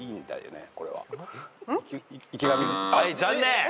はい残念。